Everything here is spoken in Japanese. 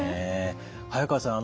早川さん